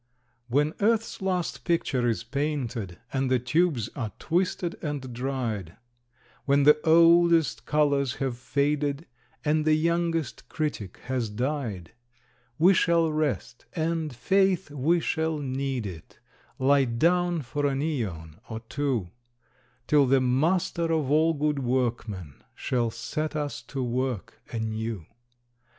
When Earth's last picture is painted and the tubes are twisted and dried, When the oldest colors have faded, and the youngest critic has died, We shall rest, and, faith, we shall need it lie down for an aeon or two, Till the Master of All Good Workmen shall set us to work anew.